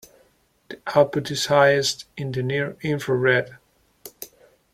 The output is highest in the near infrared.